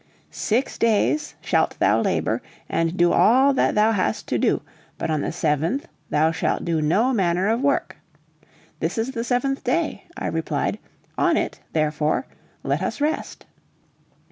"'Six days shalt thou labor and do all that thou hast to do, but on the seventh, thou shalt do no manner of work.' This is the seventh day," I replied, "on it, therefore, let us rest."